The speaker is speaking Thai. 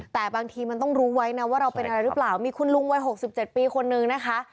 แต่บางทีมันต้องรู้ไว้นะว่าเราเป็นอะไรหรือเปล่ามีคุณลุงวัย๖๗ปีคนนึงนะคะ